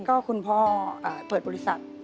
ก็คุณพ่อเปิดบริษัท